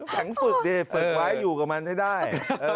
แข็งฝึกดิฝึกไว้อยู่กับมันให้ได้